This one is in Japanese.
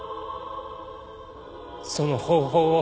その方法を。